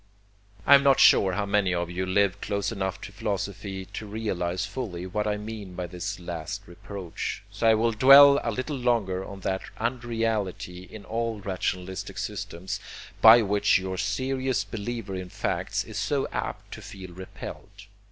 I am not sure how many of you live close enough to philosophy to realize fully what I mean by this last reproach, so I will dwell a little longer on that unreality in all rationalistic systems by which your serious believer in facts is so apt to feel repelled.